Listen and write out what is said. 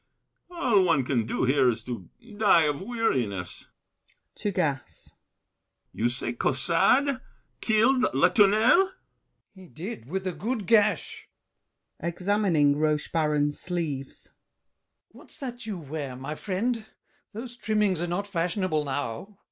[Yawning.] All one Can do here is to die of weariness. [To Gassé.] You say Caussade killed Latournelle? GASSÉ. He did, With a good gash! [Examining Rochebaron's sleeves. What's that you wear, my friend? Those trimmings are not fashionable now.